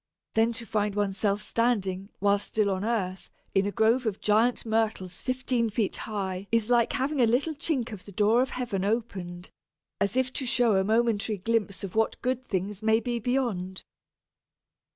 Then to find oneself standing (while still on earth) in a grove of giant Myrtles fifteen feet high is like having a little chink of the door of heaven opened, as if to show a momentary glimpse of what good things may be beyond!